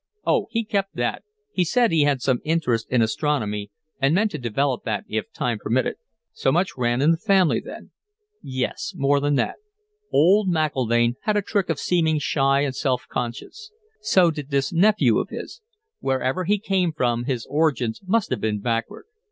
"Oh, he kept that. He said he had some interest in astronomy and meant to develop that if time permitted." "So much ran in the family, then." "Yes. More than that. Old McIlvaine had a trick of seeming shy and self conscious. So did this nephew of his. Wherever he came from, his origins must have been backward.